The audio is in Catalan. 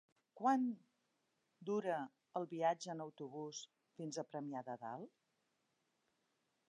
Quant dura el viatge en autobús fins a Premià de Dalt?